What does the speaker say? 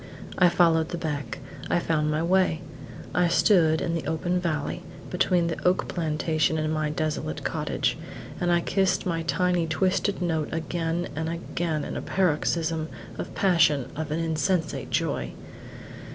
I followed the beck. I found my way. I stood in the open valley, between the oak plantation and my desolate cottage, and I kissed my tiny, twisted note again and again in a paroxysm of passion and of insensate joy.